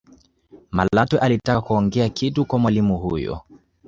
malatwe alitaka kuongea kitu kwa mwalimu huyo